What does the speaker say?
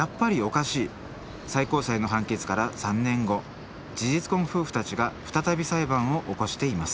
最高裁の判決から３年後事実婚夫婦たちが再び裁判を起こしています。